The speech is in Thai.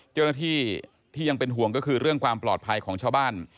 เจ้าหน้าที่ที่ยังเป็นห่วงก็คือเรื่องความปลอดภัยของชาวบ้าน